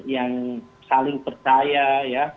yang saling percaya ya